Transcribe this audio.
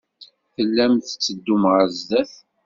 Tellam tetteddum ɣer sdat.